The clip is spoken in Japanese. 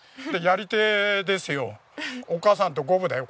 お母さんと五分だよ